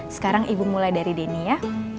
sekarang ibu mulai dari denny ya